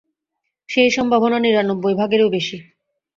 সেই সম্ভাবনা নিরানব্বই ভাগেরও বেশি।